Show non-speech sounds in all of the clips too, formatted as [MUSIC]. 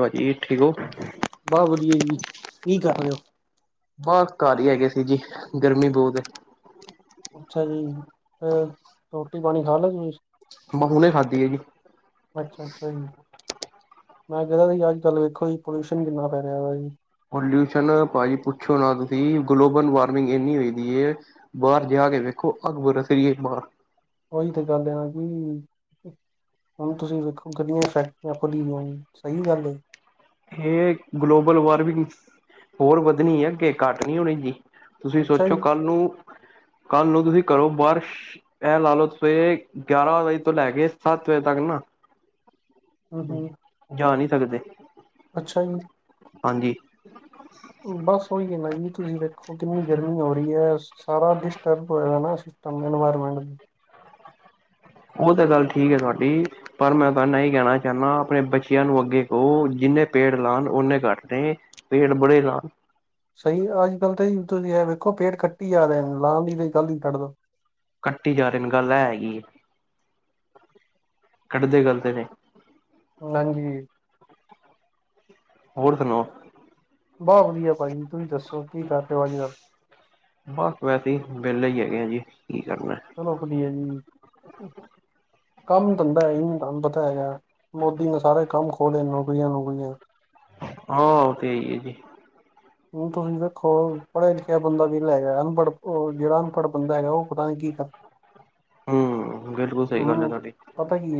ਹਾਜੀ ਠੀਕ ਹੋ? ਬਹੁਤ ਵਧੀਆ ਜੀ ਕੀ ਕਰ ਰਹੇ ਹੋ ਬਸ ਘਰ ਹੀ ਹੈਗੇ ਸੀ ਜੀ ਗਰਮੀ ਬਹੁਤ ਐ ਅੱਛਾ ਜੀ ਤੇ ਰੋਟੀ ਪਾਣੀ ਖਾਲੀਆ ਤੁਸੀ [UNINTELLIGIBLE] ਮ ਹੁਨੇ ਖਾਧੀ ਹੈ ਜੀ ਅੱਛਾ ਅੱਛਾ ਜੀ ਮੈਂ ਕਹਦਾ ਜੀ ਅੱਜ ਕੱਲ ਵੇਖੋ ਜੀ ਪੋਲਿਊਸ਼ਨ ਕਿੰਨਾ ਪੈ ਰਿਹਾ ਦਾ ਜੀ। ਪੋਲਿਊਸ਼ਨ ਭਾਜੀ ਪੁੱਛੋ ਨਾ ਤੁਸੀਂ, ਗਲੋਬਲ ਵਾਰਮਿੰਗ ਇੰਨੀ ਹੋਈ ਦੀ ਏ। ਬਾਹਰ ਜਾ ਕੇ ਵੇਖੋ, ਅਘ ਬਰਸ ਰਹੀ ਬਾਹਰ। ਉਹੀ ਤੇ ਗੱਲ ਆ ਨਾ ਕਿ, ਹੁਣ ਤੁਸੀਂ ਵੇਖੋ ਗਲੀਆਂ ਚ ਫੈਕਟ ਸਹੀ ਗੱਲ ਏ- ਹੇ ਗਲੋਬਲ ਵਾਰਰਮਿੰਗ ਹੋਰ ਵੱਧਣੀ ਹੈ ਅੱਗੇ ਘੱਟ ਨਹੀਂ ਹੋਣੀ ਜੀ, ਤੁਸੀਂ ਅੱਛਾ ਸੋਚੋ ਜੀ ਕੱਲ ਨੂੰ- ਕੱਲ ਨੂੰ ਤੁਸੀਂ ਘਰੋ ਬਾਰ, ਇਹ ਲਾ ਲਵੋ ਤੇ ਸਵੇਰੇ ਗਿਆਰਾਂ ਵਜੇ ਤੋਂ ਲੈ ਕੇ ਸੱਤ ਵਜੇ ਤੱਕ ਨਾ [INAUDIBLE] ਹੂੰ ਹੂੰ ਜਾ ਨਹੀ ਸਕਦੇ। ਅੱਛਾ ਜੀ ਹਾਂਜੀ ਬਸ ਉਹੀ ਹੈ ਨਾ ਜੀ ਤੁਸੀਂ ਵੇਖੋ, ਕਿੰਨੀ ਗਰਮੀ ਹੋ ਰਹੀ ਹੈ। ਸਾਰਾ ਡਿਸਟਰਬ ਹੋਏ ਦਾ ਨਾ ਸਿਸਟਮ ਇਨਵਾਇਰਮੈਂਟ ਉਹ ਤਾਂ ਗੱਲ ਠੀਕ ਹੈ ਤੁਹਾਡੀ ਪਰ ਮੈਂ ਤੁਹਾਨੂੰ ਹੀ ਕਹਿਣਾ ਚਾਹੁੰਦਾ, ਆਪਣੇ ਬੱਚਿਆਂ ਨੂੰ ਅੱਗੇ ਕਹੋ ਜਿੰਨੇ- ਪੇੜ ਲਾਨ ਉਹਨੇ ਘੱਟ ਨੇ, ਪੇੜ ਬੜੇ ਲਾਨ ਸਹੀ, ਅੱਜ ਕੱਲ ਤਾਂ ਤੁਸੀਂ ਆਹ ਵੇਖੋ ਪੇੜ ਕੱਟੀ ਜਾ ਰੇ, ਲਾਣ ਦੀ ਤੇ ਗੱਲ ਹੀ ਛੱਡ ਦੋ। ਕੱਟੀ ਜਾ ਰਹੇ ਨੇ, ਗੱਲ ਏ ਹੈਗੀ ਕੱਟਦੇ ਗੱਲਤ ਨੇ ਹਾਂਜੀ- ਹੋਰ ਸੁਣਾਓ ਬਹੁਤ ਵਧੀਆ ਭਾਜੀ ਤੁਸੀਂ ਦੱਸੋ ਕੀ ਕਰ ਰਹੇ ਹੋ ਅੱਜ ਕੱਲ ਬਸ ਵੈਸੇ ਹੀ, ਵਿਹਲੇ ਹੀ ਹੈਗੇ ਆ ਜੀ ਕੀ ਕਰਨਾ ਚਲੋ ਵਧੀਆ ਜੀ। ਕੰਮ ਧੰਦਾ ਹੇ ਹੀ ਨੀ, ਤੂਹਾਨੂੰ ਪਤਾ ਹੈਗਾ, ਮੋਦੀ ਨੇ ਸਾਰੇ ਕੰਮ ਖੋਲ੍ਹੇ ਨੇ ਨੌਕਰੀਆਂ ਨੂੰਕਰੀਆਂ। ਹਾਂ ਉਹ ਤੇ ਹੈ ਜੀ। ਹੁਣ ਤੁਸੀਂ ਦੇਖੋ ਪੜ੍ਹਿਆ ਲਿਖਿਆ ਬੰਦਾ ਵੇਲਾ ਹੈਗਾ, ਅਨਪੜ੍ਹ ਜਿਹੜਾ ਅਨਪੜ੍ਹ ਬੰਦਾ ਹੈਗਾ ਉਹ ਪਤਾ ਨੀ ਕੀ ਕਰ [INAUDIBLE] ਹਮ, ਬਿਲਕੁਲ ਸਹੀ ਗੱਲ ਹੈ ਉਹਨੂੰ ਤੁਹਾਡੀ ਪਤਾ ਕੀ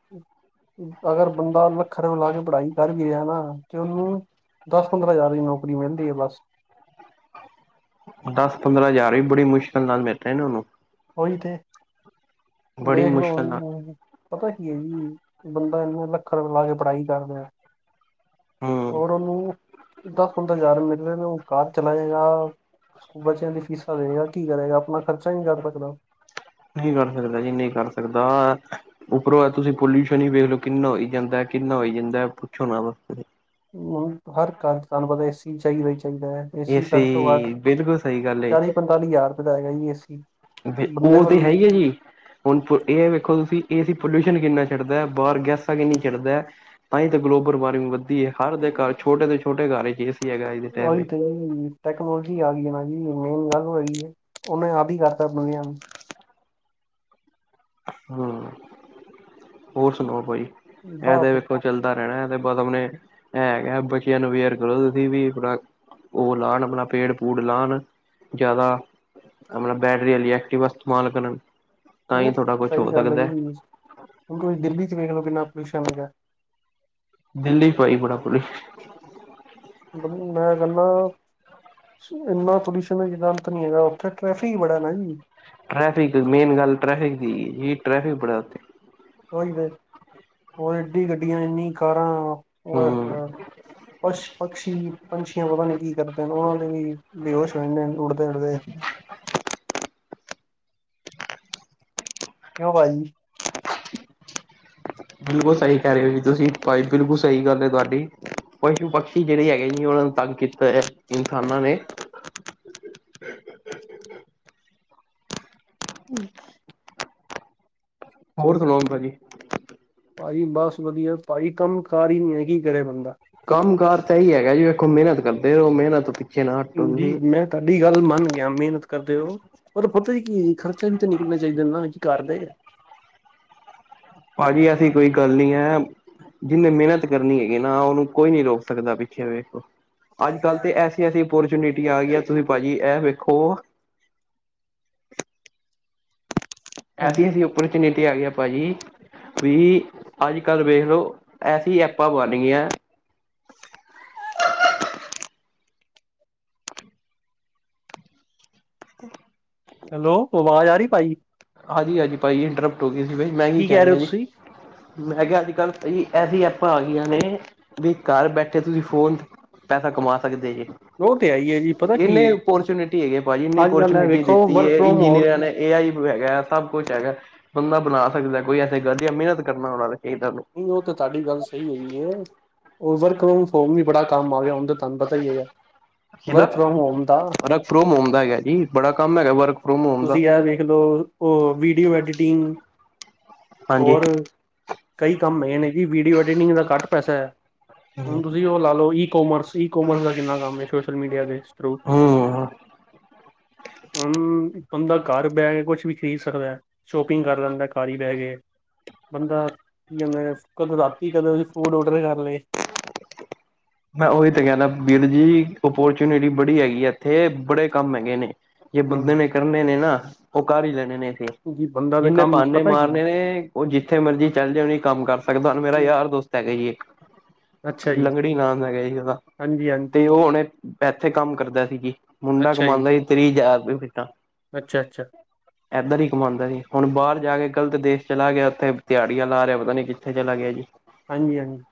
[INAUDIBLE] ਅਗਰ ਬੰਦਾ ਲੱਖਾਂ ਰੁਪਏ ਲਾ ਕੇ ਪੜ੍ਹਾਈ ਕਰ ਵੀ ਰਿਹਾ ਨਾ, ਤੇ ਉਹਨੂੰ ਦਸ ਪੰਦਰਾਂ ਹਜ਼ਾਰ ਦੀ ਨੌਕਰੀ ਮਿਲਦੀ ਆ ਬਸ ਦਸ ਪੰਦਰਾਂ ਹਜ਼ਾਰ ਵੀ ਬੜੀ ਮੁਸ਼ਕਿਲ ਨਾਲ ਮਿਲ ਰਹੇ ਨੇ ਉਹਨੂੰ ਉਹੀ ਤੇ, ਬੜੀ ਦੇਖ ਲੋ ਮੁਸ਼ਕਿਲ ਨਾਲ ਹੁਣ ਪਤਾ ਕੀ ਹੈ ਜੀ, ਬੰਦਾ ਇੰਨੇ ਲੱਖਾਂ ਰੁਪਏ ਲਾ ਕੇ ਪੜ੍ਹਾਈ ਕਰ ਰਿਹਾ। ਹਮ ਹੋਰ ਉਹਨੂੰ ਦਸ ਪੰਦਰਾਂ ਹਜ਼ਾਰ ਮਿਲ ਰਹੇ ਨੇ, ਉਹ ਘਰ ਚਲਾਏ ਗਾ, ਬੱਚਿਆਂ ਦੀ ਫੀਸਾਂ ਦਏਗਾ, ਕੀ ਕਰੇਗਾ ਆਪਣਾ ਖਰਚਾ ਨੀ ਕਰ ਸਕਦਾ। ਨਹੀਂ ਕਰ ਸਕਦਾ ਜੀ ਨਹੀਂ ਕਰ ਸਕਦਾ, ਉੱਪਰੋਂ ਏ ਤੁਸੀਂ ਪੋਲਿਸ਼ੳਨ ਹੀ ਵੇਖਲੋ ਕਿੰਨਾ ਹੋਈ ਜਾਂਦਾ ਕਿੰਨਾ ਹੋਈ ਜਾਂਦਾ ਪੁੱਛੋ ਨਾ ਹਰ ਘਰ ਤੁਹਾਨੂੰ ਪਤਾ ਏਸੀ ਚਾਹੀਦਾ ਹੀ ਚਾਹੀਦਾ ਹੈ। ਏਸੀ ਘੱਟ ਤੋਂ ਘੱਟ ਬਿਲਕੁਲ ਸਹੀ ਗੱਲ ਏ ਚਾਲੀ ਪੰਤਾਲੀ ਹਜ਼ਾਰ ਰੁਪਏ ਦਾ ਹੈਗਾ ਜੀ ਏਸੀ ਬੰਦੇ ਉਹ ਤੇ ਕੋਲ ਹੈ ਹੀ ਹੈ ਜੀ। ਹੁਣ ਇਹ ਵੇਖੋ ਤੁਸੀਂ, ਏਸੀ ਪੋਲਿਊਸ਼ਨ ਕਿੰਨਾ ਸ਼ਡਦਾ ਹੈ ਬਾਹਰ ਗੈਸਾਂ ਕਿੰਨੀ ਸ਼ਡਦਾ। ਤਾਂ ਹੀ ਤਾਂ ਗਲੋਬਲ ਵਾਰਮਿੰਗ ਵਧਦੀ ਹੈ। ਹਰ ਦੇ ਘਰ ਛੋਟੇ ਤੋਂ ਛੋਟੇ ਘਰ ਚ ਏਸੀ ਹੈਗਾ ਅੱਜ ਦੇ ਟਾਈਮ ਉਹੀ ਤੇ ਟੈਕਨੋਲੋਜੀ ਆ ਗਈ ਹੈ ਨਾ ਜੀ ਮੇਨ ਗੱਲ ਉਹ ਹੈਗੀ ਹੈ, ਉਹਨੇ ਆਦੀ ਕਰਤਾ ਦੁਨਿਆ ਨੂੰ ਹਮ, ਹੋਰ ਸੁਣਾਓ ਭਾਜੀ ਇਹ ਵਾਹ ਤੇ ਵੇਖੋ ਚੱਲਦਾ ਰਹਿਣਾ ਹੈ ਤੇ ਬਸ ਆਪਣੇ ਬੱਚਿਆਂ ਨੂੰ ਅਵੇਅਰ ਕਰੋ ਤੁਸੀਂ ਵੀ ਉਹ ਲਾਉਣ ਆਪਣਾ ਪੇੜ ਪੂੜ ਲਾਉਣ ਜ਼ਿਆਦਾ ਆਪ ਬੈਟਰੀ ਆਲੀ ਐਕਟਿਵਾ ਇਸਤੇਮਾਲ ਕਰਨ ਤਾਂ ਹੀ ਥੋੜਾ ਕੁਛ ਸਹੀ ਹੋ ਗੱਲ ਹੈ ਜੀ, ਸਕਦਾ ਹੁਣ ਤੁਸੀਂ ਦਿੱਲੀ ਚ ਵੇਖ ਲਓ ਕਿੰਨਾ ਪੋਲਿਊਸ਼ਨ ਹੈਗਾ ਦਿੱਲੀ ਭਾਜੀ ਬੜਾ ਪੋਲਿਊਸ਼ਨ ਮੈਂ ਕਹਿੰਨਾ ਇੰਨਾ ਪੋਲਿਊਸ਼ਨ ਦਾ ਜਿਦਾ ਅੰਤ ਨੀ ਹੈਗਾ ਉੱਥੇ ਟ੍ਰੈਫਿਕ ਹੀ ਬੜਾ ਨਾ ਜੀ ਟ੍ਰੈਫਿਕ, ਮੇਨ ਗੱਲ ਟੈਫਿਕ ਦੀ, ਇਹ ਟ੍ਰੈਫਿਕ ਬੜਾ ਉੱਥੇ ਉਹੀ ਏ, ਹੋਰ ਏਡੀ ਗੱਡੀਆਂ, ਇੰਨੀਆ ਕਾਰਾਂ, ਹੋਏ ਹੂੰ ਹੋਏ ਪਸ਼ੂ ਪਕਸ਼ੀ ਪੰਛੀਆਂ ਪਤਾ ਨੀ ਕੀ ਕਰਦੇ, ਉਹਨਾਂ ਦੇ ਵੀ ਬੇਹੋਸ਼ ਹੋ ਜਾਂਦੇ, ਉੱਡਦੇ- ਉੱਡਦੇ ਕਿਉਂ ਭਾਜੀ ਬਿਲਕੁਲ ਸਹੀ ਕਹਿ ਰਹੇ ਹੋ ਜ ਤੁਸੀਂ, ਬਿਲਕੁਲ ਸਹੀ ਗੱਲ ਤੁਹਾਡੀ ਪਸ਼ੂ ਪਕਸ਼ੀ ਜਿਹੜੇ ਹੈਗੇ ਜੀ, ਉਹਨਾਂ ਨੂੰ ਤੰਗ ਕੀਤਾ ਹੈ ਇਨਸਾਨਾਂ ਨੇ [INAUDIBLE] ਹਮ [INAUDIBLE] ਭਾਜੀ ਭਾਜੀ ਬਸ ਵਧੀਆ, ਭਾਜੀ ਕੰਮ ਕਾਰ ਹੀ ਨਹੀਂ ਹੈ, ਕੀ ਕਰੇ ਬੰਦਾ ਕੰਮ ਕਾਰ ਤਾਂ ਹੀ ਹੈਗਾ ਜੀ, ਵੇਖੋ ਮਿਹਨਤ ਕਰਦੇ ਰਹੋ, ਮਿਹਨਤ ਪਿੱਛੇ ਨਾ ਹਟੋ ਹਾਂਜੀ, ਤੁਸੀਂ ਮੈਂ ਤੁਹਾਡੀ ਗੱਲ ਮੰਨ ਗਿਆ, ਮਿਹਨਤ ਕਰਦੇ ਹੋ, ਪਰ ਪਤਾ ਜੀ ਕੀ ਖਰਚਾ ਵੀ ਤਾਂ ਨਿਕਲਣਾ ਚਾਹੀਦਾ ਘਰਦੇ ਭਾਜੀ ਐਸੀ ਕੋਈ ਗੱਲ ਨਹੀਂ ਹੈ, ਦਿਨੇ ਮਿਹਨਤ ਕਰਨੀ ਹੈ ਨਾ ਉਹਨੂੰ ਕੋਈ ਨੀ ਰੋਕ ਸਕਦਾ ਪਿੱਛੇ ਵੇਖੋ ਅੱਜ- ਕੱਲ੍ਹ ਤੇ ਐਸੀ -ਐਸੀ ਓਪੋਰਚੁਨਿਟੀ ਆ ਗਈਆਂ, ਤੁਸੀਂ ਭਾਜੀ ਇਹ ਵੇਖੋ ਐਸੀ -ਐਸੀ ਓਪਰਚੁਨਿਟੀ ਆ ਗਈਆਂ ਭਾਜੀ ਵੀ, ਅੱਜ- ਕੱਲ੍ਹ ਵੇਖ ਲੋ ਐਸੀ ਐਪਾਂ ਬਣ ਗਈਆਂ [INAUDIBLE] ਅ [INAUDIBLE] ਹੈਲੋ ਆਵਾਜ਼ ਆ ਰਹੀ ਭਾਜੀ ਹਾਂਜੀ-ਹਾਂਜੀ ਭਾਜੀ ਇੰਟਰਪਟ ਹੋ ਗਈ ਸੀ ਬ, ਮੈਂ ਕੀ ਕਹਿ ਰਹੇ ਕਹਿਣਾ ਹੋ ਜੀ ਤੁਸੀਂ ਮੈਂ ਕਿਹਾ ਅੱਜ ਕੱਲ੍ਹ ਐਸੀ ਐਪਾਂ ਆ ਗਈਆਂ ਨੇ, ਵੀ ਘਰ ਬੈਠੇ ਤੁਸੀਂ ਫੋਨ ਪੈਸਾ ਕਮਾ ਸਕਦੇ ਜੇ, ਉਹ ਤੇ ਆਈ ਹੈ ਜੀ ਪਤਾ ਕੀ ਇੰਨੇ ਹੈ ਓਪਰਚੁਨਿਟੀ ਹੈਗੇ ਭਾਜੀ, ਇੰਨੀ ਅੱਜ ਕੱਲ ਹੈ ਓਪਰਚੁਨਿਟੀ ਵੇਖੋ ਵਰਕ ਇਹ, ਫਰੋਮ ਹੋਰ ਇੰਜੀਨੀਅਰਾਂ ਨੇ ਇਹ ਆਈ ਹੈਗਾ, ਸਭ ਕੁਛ ਹੈਗਾ, ਬੰਦਾ ਬਣਾ ਸਕਦਾ, ਕੋਈ ਐਸੇ ਗੱਲ ਨਹੀ ਹੈ, ਮਿਹਨਤ ਕਰਨ ਵਾਲਾ ਚਾਹੀਦਾ ਉਹਨੂੰ ਉਹ ਤੇ ਤੁਹਾਡੀ ਗੱਲ ਸਹੀ ਹੈਗੀ ਹੈ ਓਜਰ ਕਲੋਸ, ਉਹ ਵੀ ਬੜਾ ਕੰਮ ਆ ਗਿਆ, ਹੁਣ ਤਾਂ ਤੁਹਾਨੂੰ ਪਤਾ ਹੀ ਹੈਗਾ ਕਿਹਦਾ ਵਰਕ ਫਰੋਮ ਹੋਮ ਦਾ, ਵਰਕ ਫਰੋਮ ਹੋਮ ਦਾ ਹੈਗਾ ਜੀ ਬੜਾ ਕੰਮ ਹੈਗਾ ਵਰਕ ਫਰੋਮ ਹੋਮ ਦਾ ਤੁਸੀਂ ਇਹ ਵੇਖ ਦੇਖ ਲਓ, ਉਹ ਵੀਡੀਓ ਐਡੀਟਿੰਗ, ਹਾਂਜੀ ਹੋਰ ਕਈ ਕੰਮ ਨਯ ਨੇ ਜੀ, ਵੀਡੀਓ ਐਡੀਟਿੰਗ ਦਾ ਘੱਟ ਪੈਸਾ ਹੈ ਹੁਣ ਤੁਸੀਂ ਉਹ ਲਾ ਲਓ ਈ ਕੋਮਰਸ, ਈ ਕੋਮਰਸ ਦਾ ਕਿੰਨਾ ਕੰਮ ਸੋਸ਼ਲ ਮੀਡੀਆ ਦੇ ਥਰੂ, ਹੂੰ, ਹ ਬੰਦਾ ਘਰ ਬਹਿ ਕੇ ਕੁਛ ਵੀ ਖਰੀਦ ਸਕਦਾ, ਸ਼ੋਪਿੰਗ ਕਰ ਲੈਂਦਾ ਘਰ ਹੀ ਬਹਿ ਕੇ, ਬੰਦਾ-' ਕੀ ਕਦੇ ਰਾਤੀ ਕਦੇ ਉਹਦੀ ਫੂਡ ਆਰਡਰ ਕਰ ਲਏ ਮੈਂ ਉਹੀ ਤਾਂ ਕਹਿੰਦਾ, ਵੀਰ ਜੀ ਓਪੋਰਚਨਿਟੀ ਬੜੀ ਹੈਗੀ ਆ ਇੱਥੇ, ਬੜੇ ਕੰਮ ਹੈਗੇ ਨੇ ਜੇ ਬੰਦੇ ਨੇ ਲਏ ਕਰਨੇ ਨੇ ਨਾ ਉਹ ਕਰ ਹੀ ਲੈਣੇ ਨੇ ਫਿਰ, ਜੀ ਬੰਦਾ ਦੇ ਜਿੰਨੇ ਕੰਮ ਬਹਾਨੇ ਪਤਾ ਕੀ ਮਾਰਨੇ ਨੇ ਉਹ ਜਿੱਥੇ ਮਰਜ਼ੀ ਚੱਲ ਜਉ ਨ ਕੰਮ ਕਰ ਸਕਦਾ ਹੁਣ ਮੇਰਾ ਯਾਰ ਦੋਸਤ ਹੈਗਾ ਜੀ ਇੱਕ ਅੱਛਾ ਜੀ ਲੰਗੜੀ ਨਾਮ ਹੈਗਾ ਜੀ ਉਹਦਾ ਹਾਂਜੀ ਹਾਂਜੀ ਤੇ ਉਹ ਹੁਣੇ ਇਥੇ ਕੰਮ ਕਰਦਾ ਸੀ ਜੀ, ਮੁੰਡਾ ਅੱਛਾ ਜੀ ਕਮਾਂਉਦਾ ਸੀ ਤੀਹ ਹਜ਼ਾਰ ਰੁਪਏ ਫੀਟਾਂ ਅੱਛਾ, ਅੱਛਾ ਕਮਾਉਂਦਾ ਸੀ ਹੁਣ ਬਾਹਰ ਚਲ ਆ ਰਿਹਾ, ਪਤਾ ਨੀ ਕਿੱਥੇ ਚਲਾ ਗਿਆ ਜੀ ਹਾਂਜੀ ਹਾਂਜੀ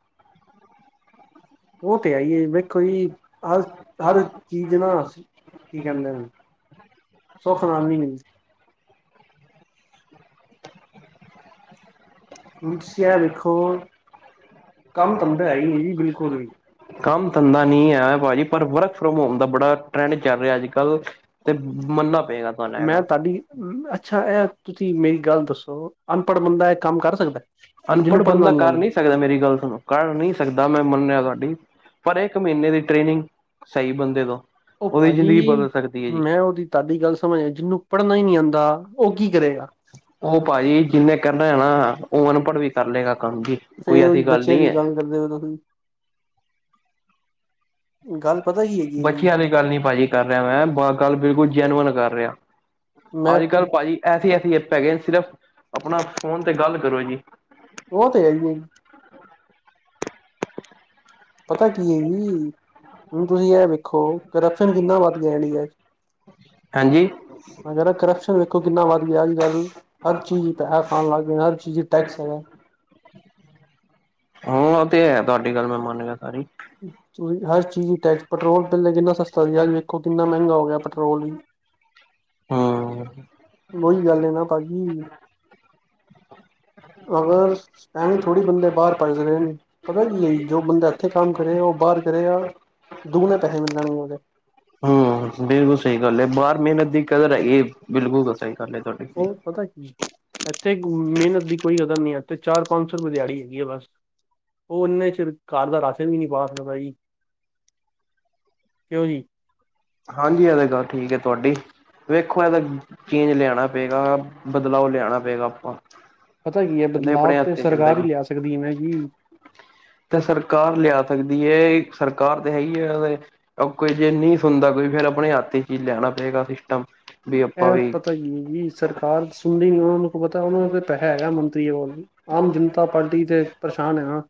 ਉਹ ਤੇ ਆਈਏ, ਵੇਖੋ ਜੀ ਹਰ, ਹਰ ਚੀਜ਼ ਨਾ ਕੀ ਕਹਿੰਦੇ ਨੇ ਸੌ ਖਨਾਨੀ ਮਿਲਦੀ [UNINTELLIGIBLE] ਹੁਣ ਤੁਸੀਂ ਆ ਵੇਖੋ ਕੰਮ ਧੰਦਾ ਹੈ ਹੀ ਨਹੀਂ ਜੀ ਬਿਲਕੁਲ ਵੀ ਕੰਮ ਧੰਦਾ ਨੀ ਹੈ ਭਾਜੀ ਪਰ ਵਰਕ ਫਰੋਮ ਹੋਮ ਦਾ ਬੜਾ ਟਰੈਂਡ ਚੱਲ ਰਿਹਾ ਅੱਜ -ਕੱਲ੍ਹ, ਤੇ ਮੰਨਨਾ ਪਏਗਾ ਤੁਹਾਨੂੰ ਹੈਗਾ ਸਾਡੀ, ਅੱਛਾ ਇਹ ਤੁਸੀਂ ਮੇਰੀ ਗੱਲ ਦੱਸੋ, ਅਨਪੜ੍ਹ ਬੰਦਾ ਇਹ ਕੰਮ ਕਰ ਸਕਦਾ ਅਨਪੜ ਜਿਹਨੂੰ ਪੜ੍ਹਨਾ ਬੰਦਾ ਘਰ ਆਉਂਦਾ ਨੀ ਦਾ ਮੇਰੀ ਗੱਲ ਤੁਹਾਨੂੰ ਕਰ ਨਹੀਂ ਸਕਦਾ ਮੈਂ ਮੰਨਿਆ ਤੁਹਾਡੀ ਪਰ ਇੱਕ ਮਹੀਨੇ ਦੀ ਟ੍ਰੇਨਿੰਗ ਸਹੀ ਬੰਦੇ ਤੋਂ ਉਹਦੀ ਜ਼ਿੰਦਗੀ ਬਦਲ ਸਕਦੀ ਹੈ ਜੀ ਤਾ ਦੀ ਗੱਲ ਸਮਝ ਜਿਹਨੂੰ ਪੜ੍ਹਨਾ ਹੀ ਨਹੀਂ ਆਉਂਦਾ ਉਹ ਕੀ ਕਰੇਗਾ ਉਹ ਭਾਜੀ ਜਿਨੇ ਕਰਨਾ ਆ ਨਾ ਉਹ ਅਨਪੜ੍ਹ ਵੀ ਕਰ ਲਏਗਾ ਕੰਮ ਜੀ ਕੋਈ ਫਿਰ ਉਹੀ ਐਸੀ ਬੱਚਿਆਂ ਨਹੀਂ ਲਈ ਹੈ ਗੱਲ ਕਰਦੇ ਹੋ ਤੁਸੀ ਵੀ ਗੱਲ ਪਤਾ ਹੀ ਹੈਗੀ ਬੱਚਿਆਂ ਦੀ ਗੱਲ ਨਹੀਂ ਭਾਜੀ ਕਰ ਰਿਹਾ ਮੈਂ ਗੱਲ ਬਿਲਕੁਲ ਜੈਨੂਅਨ ਕਰ ਰਿਹਾ ਮੈਂ ਅੱਜ ਕੱਲ੍ਹ ਤਾਂ ਭਾਜੀ ਐਸੀ ਐਸੀ ਐਪ ਹੈਗੇ ਸਿਰਫ ਆਪਣਾ ਫੋਨ ਤੇ ਗੱਲ ਕਰੋ ਜੀ ਉਹ ਤੇ ਹੈਈ ਹੈ ਜੀ ਪਤਾ ਕੀ ਹੈ ਜੀ ਹੁਣ ਤੁਸੀਂ ਇਹ ਵੇਖੋ ਕਰਪਸ਼ਨ ਕਿੰਨਾ ਵੱਧ ਗਿਆ ਡੀ ਅੱ ਹਾਂਜੀ ਮੈਂ ਕਿਹਾ ਕਰਪਸ਼ਨ ਵੇਖੋ ਕਿੰਨਾ ਵੱਧ ਗਿਆ ਅੱਜ ਕੱਲ ਹਰ ਚੀਜ਼ ਪੈਸਾ ਖਾਣ ਲੱਗ ਗਏ ਹਰ ਚੀਜ਼ ਟੈਕਸ ਹੈਗਾ ਹੁਣ ਉਹ ਤੇ ਹੈ ਤੁਹਾਡੀ ਗੱਲ ਮੈਂ ਮੰਨ ਗਿਆ ਸਾਰੀ ਹਰ ਚੀਜ਼ ਦੀ ਟੈਕਸ ਪੈਟਰੋਲ ਬਿੱਲ ਕਿੰਨਾ ਸਸਤਾ ਸੀ ਅੱਜ ਵੇਖੋ ਕਿੰਨਾ ਮਹਿੰਗਾ ਹੋ ਗਿਆ ਪੈਟਰੋਲ ਵੀ ਹਾਂ ਉਹੀ ਗੱਲ ਹੈ ਨਾ ਭਾਜੀ ਅਗਰ ਐਵੇਂ ਥੋੜੀ ਬੰਦੇ ਬਾਹਰ ਪੜ੍ਹ ਸਕਦੇ ਨੇ ਪਤਾ ਕੀ ਹੈ ਜ ਜੋ ਬੰਦਾ ਇੱਥੇ ਕੰਮ ਕਰੇ ਉਹ ਬਾਹਰ ਕਰੇ ਦੁਗਣੇ ਪੈਸੇ ਮਿਲਣਗੇ ਉਹਦੇ ਹੂੰ ਬਿਲਕੁਲ ਸਹੀ ਗੱਲ ਹੈ ਬਾਹਰ ਮਿਹਨਤ ਦੀ ਕਦਰ ਹੈ ਇਹ ਬਿਲਕੁਲ ਤਾਂ ਸਹੀ ਗੱਲ ਤੁਹਾਡੀ ਉਹ ਪਤਾ ਕੀ ਇੱਥੇ ਮਿਹਨਤ ਦੀ ਕੋਈ ਕਦਰ ਨੀ ਹੈ ਇਥੇ ਚਾਰ ਪੰਜ ਸੌ ਰੁਪਏ ਦਿਹਾੜੀ ਹੈਗੀ ਆ ਬਸ ਉਹ ਨੇ ਚਿਰ ਘਰ ਦਾ ਰਾਸ਼ਨ ਵੀ ਨਹੀਂ ਪਾ ਸਕਦਾ ਜੀ ਕਿਉਂ ਜੀ ਹਾਂਜੀ ਇਹਦੇ ਗੱਲ ਠੀਕ ਹੈ ਤੁਹਾਡੀ ਵੇਖੋ ਪਤਾ ਇਹਦਾ ਚੇਂਜ ਲਿਆਣਾ ਪਏਗਾ ਬਦਲਾਵ ਲਿਆਣਾ ਪਏਗਾ ਆਪਾਂ ਪਤਾ ਕੀ ਹੈ ਕਹਿੰਦੇ ਬਦਲਾਵ ਆਪਣੇ ਤੇ ਹੱਥ ਚੱਲਦਾ ਸਰਕਾਰ ਹੀ ਜੀ ਲਿਆ ਸਕਦੀ ਹੈ ਮੈਂ ਕਿ ਤੇ ਸਰਕਾਰ ਲਿਆ ਸਕਦੀ ਹੈ ਸਰਕਾਰ ਤੇ ਹੈ ਹੀ ਹੈ ਕੋਈ ਜੇ ਨਹੀਂ ਸੁਣਦਾ ਕੋਈ ਫੇਰ ਆਪਣੇ ਹੱਥ ਚ ਹੀ ਲਿਆਣਾ ਪਏਗਾ ਸਿਸਟਮ ਵੀ ਆਪਾਂ ਇਹ ਵੀ ਪਤਾ ਹੀ ਨਹੀਂ ਸਰਕਾਰ ਸੁਣਦੀ ਨੀ ਉਹਨਾਂ ਨੂੰ ਕੋ ਪਤਾ ਉਹਨਾਂ ਤੇ ਪੈਸਾ ਹੈਗਾ ਮੰਤਰੀਆਂ ਕੋਲ ਵੀ ਆਮ ਜਨਤਾ ਪਾਰਟੀ ਤੇ ਪਰੇਸ਼ਾਨ ਹ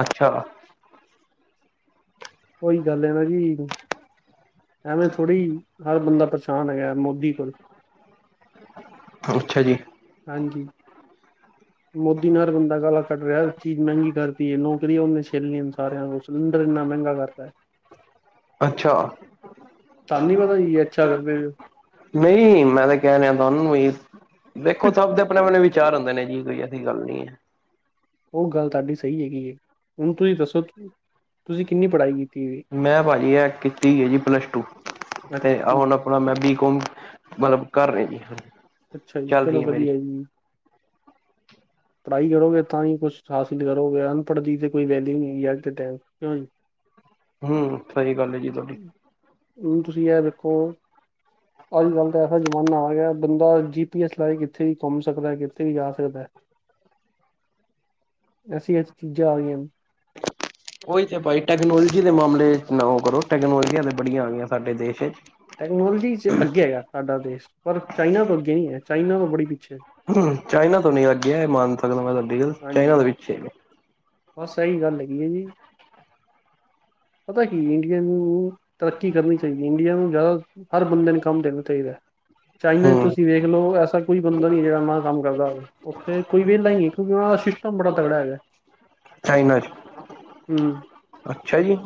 ਅੱਛਾ ਉਹੀ ਗੱਲ ਨਾ ਜੀ ਐਵੇਂ ਥੋੜ੍ਹੀ ਹਰ ਬੰਦਾ ਪਰੇਸ਼ਾਨ ਹੈਗਾ ਮੋਦੀ ਕੋਲ ਅੱਛਾ ਜੀ ਹਾਂਜੀ ਮੋਦੀ ਨਾਲ ਹਰ ਬੰਦਾ ਗਾਲ ਕੱਟ ਰਿਹਾ ਚੀਜ਼ ਮਹਿੰਗੀ ਕਰਦੀ ਹੈ ਨੌਕਰੀ ਉਹਨੇ ਛੀਨੇ ਲਈਆਂ ਸਾਰਿਆਂ ਸਿਲੰਡਰ ਇੰਨਾ ਮਹਿੰਗਾ ਕਰਤਾ ਹੈ ਅੱਛਾ ਤੁਹਾਨੂੰ ਨੀ ਪਤਾ ਜੀ ਅੱਛਾ ਕਰਦੇ ਨਹੀਂ ਪਏ ਮੈਂ ਤੇ ਕਹਿ ਰਿਹਾ ਤੁਹਾਨੂੰ ਵੀ ਦੇਖੋ ਸਭ ਦੇ ਆਪਣੇ ਆਪਣੇ ਵਿਚਾਰ ਹੁੰਦੇ ਨੇ ਜੀ ਕੋਈ ਐਸੀ ਗੱਲ ਨਹੀਂ ਹੈ ਉਹ ਗੱਲ ਤੁਹਾਡੀ ਸਹੀ ਹੈਗੀ ਹੈ ਹੁਣ ਤੁਸੀਂ ਦੱਸੋ ਤੁਸੀਂ ਕਿੰਨੀ ਪੜ੍ਹਾਈ ਕੀਤੀ ਵੀ ਮੈਂ ਭਾਅ ਜੀ ਇਹ ਕੀਤੀ ਗਈ ਜੀ ਪਲੱਸ ਟੂ ਅਤੇ ਹੁਣ ਅੱਛਾ ਆਪਣਾ ਮੈਂ ਬੀਕਮ ਮਤਲਬ ਕਰ ਰਹੇ ਜ ਹ ਅੱਛਾ ਜੀ ਚੱਲ ਚਲੋ ਰਹੀ ਹ ਮੇਰੀ ਵਧੀਆ ਜੀ ਪੜ੍ਹਾਈ ਕਰੋਗੇ ਤਾਂ ਹੀ ਕੁਛ ਹਾਸਿਲ ਕਰੋਗੇ ਅਨਪੜ੍ਹ ਦੀ ਤੇ ਕੋਈ ਵੈਲਿਊ ਨਹੀਂ ਹੈ ਟਾਈਮ ਹਮ ਹਮ ਸਹੀ ਗੱਲ ਹੈ ਜੀ ਤੁਹਾਡੀ ਹੁਣ ਤੁਸੀਂ ਇਹ ਦੇਖੋ ਅੱਜ ਕੱਲ ਤਾਂ ਐਸਾ ਜ਼ਮਾਨਾ ਆ ਗਿਆ ਬੰਦਾ ਜੀ ਪੀ ਐੱਸ ਲਾਈ ਕਿੱਥੇ ਵੀ ਘੁੰਮ ਸਕਦਾ ਕਿੱਥੇ ਵੀ ਜਾ ਸਕਦਾ ਐਸੀ ਐਸੀ ਚੀਜ਼ਾਂ ਆ ਗਈਆਂ ਹਨ ਉਹੀ ਤੇ ਭਾਈ ਟੈਕਨੋਲੋਜੀ ਦੇ ਮਾਮਲੇ ਨਾ ਉਹ ਕਰੋ ਟੈਕਨੋਲੋਜੀਆਂ ਤੇ ਬੜੀਆਂ ਆ ਗਈਆਂ ਸਾਡੇ ਦੇਸ਼ ਵਿੱਚ ਟੈਕਨੋਲੋਜੀ ਚ ਅੱਗੇ ਹੈਗਾ ਸਾਡਾ ਦੇਸ਼ ਪਰ ਚਾਈਨਾ ਤੋਂ ਅੱਗੇ ਨਹੀਂ ਹੈ ਚਾਈਨਾ ਤੋਂ ਬੜੀ ਪਿੱਛੇ ਹਮ ਚਾਈਨਾ ਤੋਂ ਨੀ ਲੱਗਿਆ ਮੰਨ ਸਕਦਾ ਮੈਂ ਸਾਡੀ ਗ ਹਾਂਜੀ ਚਾਈਨਾ ਦੇ ਵਿੱਚ ਬਸ ਇਹੀ ਗੱਲ ਹੈਗੀ ਹੈ ਜੀ ਪਤਾ ਕੀ ਇੰਡੀਆ ਨੂੰ ਤਰੱਕੀ ਕਰਨੀ ਚਾਹੀਦੀ ਇੰਡੀਆ ਨੂੰ ਜ਼ਿਆਦਾ, ਹਰ ਬੰਦੇ ਨੂੰ ਕੰਮ ਦੇਣਾ ਚਾਹੀਦਾ। ਚਾਈਨਾ ਚ ਹੂੰ ਤੁਸੀਂ ਵੇਖ ਲਓ ਐਸਾ ਕੋਈ ਬੰਦਾ ਨੀ ਹੈ ਜਿਹੜਾ ਨਾ ਕੰਮ ਕਰਦਾ ਹੋਵੇ ਉੱਥੇ ਕੋਈ ਵਿਹਲਾ ਹੀ ਨਹੀ ਹੈ ਕਿਉਂਕਿ ਉਹਨਾਂ ਦਾ ਸਿਸਟਮ ਬੜਾ ਤਗੜਾ ਹੈਗਾ ਚਾਈਨਾ 'ਚ ਹਮ ਅੱਛਾ ਜੀ-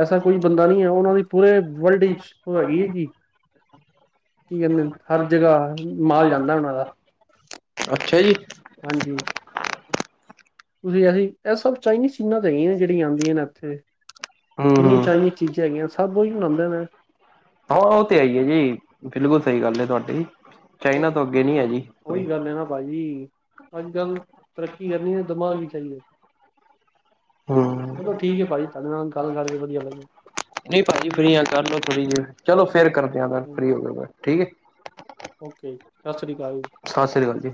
ਐਸਾ ਕੋਈ ਬੰਦਾ ਨਹੀਂ ਹੈ ਉਹਨਾਂ ਦੀ ਪੂਰੇ ਵਰਲਡ ਹੋ ਹੈਗੀ ਹੈ ਜੀ, ਕੀ ਕਹਿੰਦੇ ਹਰ ਜਗ੍ਹਾ ਮਾਲ ਜਾਂਦਾ ਉਹਨਾਂ ਦਾ- ਅੱਛਾ ਜੀ ਹਾਂਜੀ- ਤੁਸੀਂ ਅਸੀ, ਇਹ ਸਭ ਚਾਈਨੀਜ਼ ਚੀਜ਼ਾਂ ਤੇ ਹੈਗੀਆਂ ਨੇ ਜਿਹੜੀਆਂ ਆਉਂਦੀਆਂ ਨੇ ਇੱਥੇ, ਹੂੰ ਕਿੰਨੀ ਹੂੰ ਚਾਈਨੀਜ਼ ਚੀਜ਼ਾਂ ਹੈਗੀਆਂ ਸਭ ਕੁਝ ੳਹੀ ਬਨਾਉਂਦੇ ਨੇ ਹਾਂ ਉਹ ਤੇ ਹੈ ਈ ਹੈ ਜੀ, ਬਿਲਕੁਲ ਸਹੀ ਗੱਲ ਹੈ ਤੁਹਾਡੀ ਚਾਈਨਾ ਤੋਂ ਅੱਗੇ ਨੀ ਹੈ ਜੀ ਓਹੀ ਗੱਲ ਹੈ ਨਾ ਭਾਜੀ, ਅੱਜ ਕੱਲ ਤਰੱਕੀ ਕਰਨੀ ਹੈ ਦਿਮਾਗ ਵੀ ਚਾਹੀਦਾ ਹੂੰ ਚਲੋ ਠੀਕ ਹੈ ਭਾਜੀ, ਤੁਹਾਡੇ ਨਾਲ ਗੱਲ ਕਰਕੇ ਵਧੀਆ ਲੱਗਾ ਨਹੀਂ ਭਾਜੀ ਫਰੀ ਆ, ਕਰ ਲਓ ਥੋੜ੍ਹੀ ਦੇਰ ਚਲੋ ਫੇਰ ਕਰਦੇ ਆਂ ਫਰੀ ਹੋ ਗਿਆ ਫ ਠੀਕ ਹੈ। ਓਕੇ, ਸਤਿ ਸ਼੍ਰੀ ਅਕਾਲ। ਸਤਿ ਸ੍ਰੀ ਅਕਾਲ ਜੀ-